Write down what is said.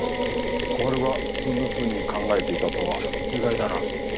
小春がそんなふうに考えていたとは意外だな。